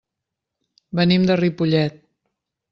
Venim de Ripollet.